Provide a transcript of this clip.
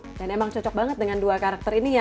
dan emang cocok banget dengan dua karakter ini ya